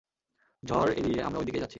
ঝড় এড়িয়ে আমরা ওইদিকেই যাচ্ছি।